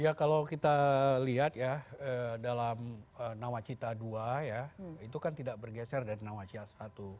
ya kalau kita lihat ya dalam nawacita ii ya itu kan tidak bergeser dari nawacita i